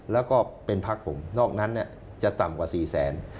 แล้วก็เป็นพักผมนอกนั้นจะต่ำกว่า๔แสน